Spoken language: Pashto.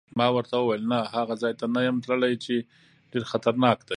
ما ورته وویل: نه، هغه ځای ته نه یم تللی چې ډېر خطرناک دی.